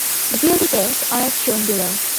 The build details are as shown below.